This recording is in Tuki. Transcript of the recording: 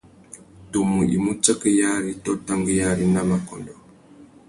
Tumu i mú tsakéyari tô tanguéyari nà makôndõ.